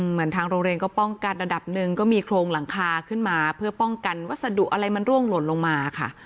ทางโรงเรียนก็ป้องกันระดับหนึ่งก็มีโครงหลังคาขึ้นมาเพื่อป้องกันวัสดุอะไรมันร่วงหล่นลงมาค่ะ